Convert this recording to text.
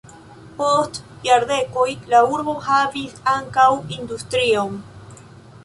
Post jardekoj la urbo havis ankaŭ industrion.